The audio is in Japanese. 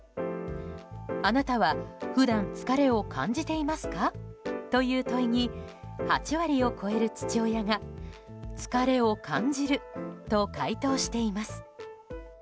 あなたは普段、疲れを感じていますか？という問いに８割を超える父親が疲れを感じると回答しています。